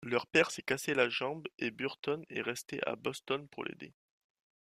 Leur père s'est cassé la jambe et Burton est restée à Boston pour l'aider.